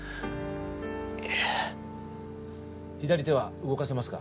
いえ左手は動かせますか？